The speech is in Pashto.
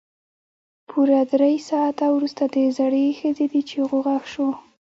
پوره درې ساعته وروسته د زړې ښځې د چيغو غږ شو.